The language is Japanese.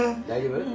大丈夫？